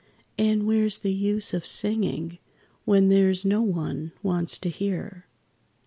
And where's the use of singing, when there's no one wants to hear?